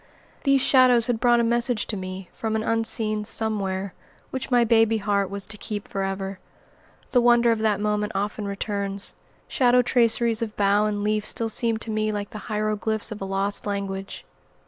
These shadows had brought a message to me from an unseen Somewhere, which my baby heart was to keep forever. The wonder of that moment often returns. Shadow traceries of bough and leaf still seem to me like the hieroglyphics of a lost language.